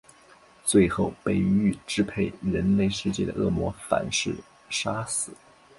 最后被欲支配人类世界的恶魔反噬杀死。